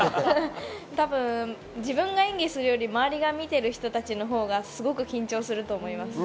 多分、自分が演技するより周りで見ている人たちのほうがすごく緊張すると思います。